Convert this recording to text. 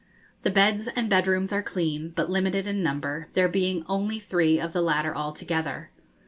The beds and bedrooms are clean, but limited in number, there being only three of the latter altogether.